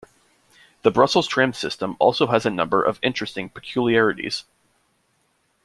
The Brussels tram system also has a number of interesting peculiarities.